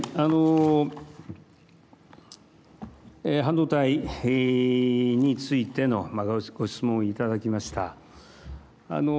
半導体についてのご質問をいただきました。